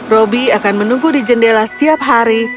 robby akan menunggu di jendela setiap hari